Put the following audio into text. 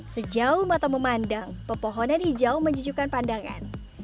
sejauh mata memandang pepohonan hijau menjujukan pandangan